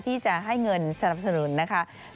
ที่จะให้เงินสนับสนุนนะคะ